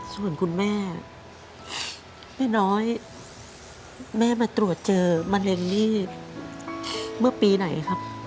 ส่วนคุณแม่แม่น้อยแม่มาตรวจเจอมะเร็งนี่เมื่อปีไหนครับ